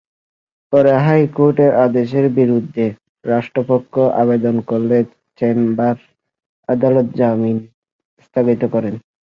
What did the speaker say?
পরে হাইকোর্টের আদেশের বিরুদ্ধে রাষ্ট্রপক্ষ আবেদন করলে চেম্বার আদালত জামিন স্থগিত করেন।